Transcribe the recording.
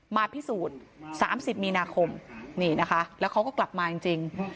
มาพิสูจน์๓๐มีนาคมนี่นะคะแล้วเขาก็กลับมาจริง